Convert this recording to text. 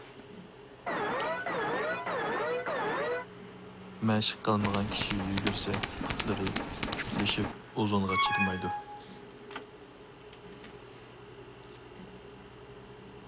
مەشىق قىلمىغان كىشى يۈگۈرسە پۇتلىرى پۈكلىشىپ ئۇزۇنغا چىدىمايدۇ.